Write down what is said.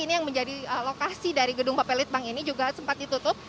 ini yang menjadi lokasi dari gedung papelitbang ini juga sempat ditutup